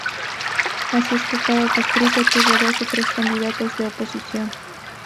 Así es que cada distrito tuvo dos o tres candidatos de oposición.